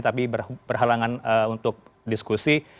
tapi berhalangan untuk diskusi